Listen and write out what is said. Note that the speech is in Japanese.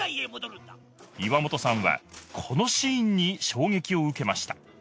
岩元さんはこのシーンに衝撃を受けました